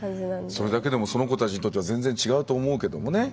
それだけでもその子たちにとっては全然、違うと思うけどもね。